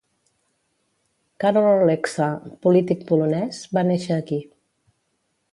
Karol Holeksa, polític polonès, va néixer aquí.